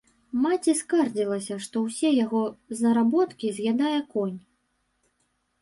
Маці скардзілася, што ўсе яго заработкі з'ядае конь.